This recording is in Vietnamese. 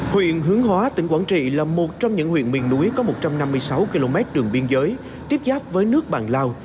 huyện hướng hóa tỉnh quảng trị là một trong những huyện miền núi có một trăm năm mươi sáu km đường biên giới tiếp giáp với nước bạn lào